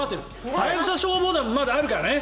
「ハヤブサ消防団」もまだあるからね。